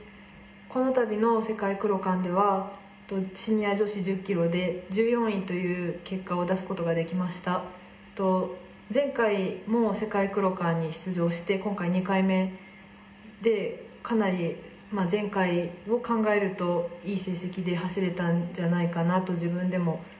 この度の世界クロカンではシニア女子１０ｋｍで１４位という結果を出すことができました前回も世界クロカンに出場して今回２回目でかなりこのあと世界記録保持者が激突さらにＵ２０